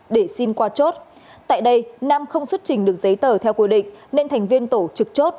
để xin qua chốt tại đây nam không xuất trình được giấy tờ theo quy định nên thành viên tổ trực chốt